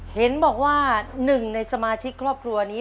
เห็นบอกว่าหนึ่งในสมาชิกครอบครัวนี้